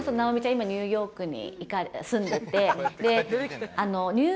今ニューヨークに住んでて。